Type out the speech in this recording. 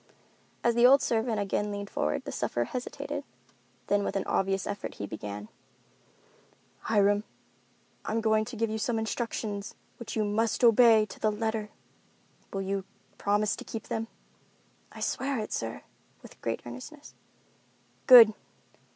As the old servant again leaned forward, the sufferer hesitated; then with an obvious effort he began. "Hiram, I am going to give you some instructions which you must obey to the letter. Will you promise to keep them?" "I swear it, sir," with great earnestness. "Good!